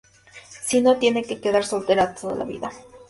Si no, tiene que quedar soltera toda la vida.